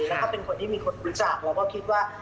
แล้วก็เป็นคนที่มีคนรู้จักเราก็คิดว่า